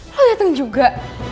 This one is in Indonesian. lo dateng juga